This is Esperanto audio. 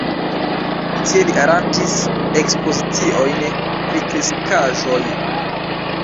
Tie li aranĝis ekspoziciojn pri kreskaĵoj.